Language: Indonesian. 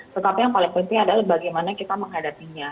tetapi yang paling penting adalah bagaimana kita menghadapinya